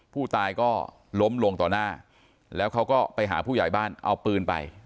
ผู้ตายก็ล้มลงต่อหน้าแล้วเขาก็ไปหาผู้ใหญ่บ้านเอาปืนไป